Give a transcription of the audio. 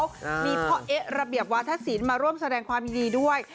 มีพอเอะระเบียบวาทธศีลมาร่วมแสดงความยีด้วย